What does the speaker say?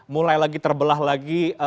mulai lagi terbelah lagi